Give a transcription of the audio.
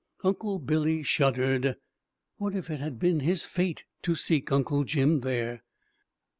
Uncle Billy shuddered. What if it had been his fate to seek Uncle Jim there!